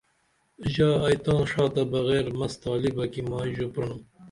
ژا ائی تاں ڜا تہ بغیر مس تالبہ کی مائی ژو پرینُم